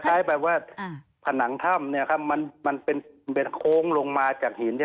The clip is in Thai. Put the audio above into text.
คล้ายแบบว่าผนังถ้ำเนี่ยครับมันเป็นโค้งลงมาจากหิน